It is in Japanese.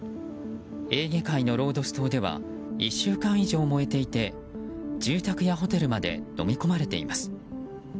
エーゲ海のロードス島では１週間以上燃えていて住宅やホテルまでのみ込まれています。